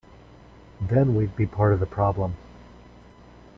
Then we’d be part of the problem.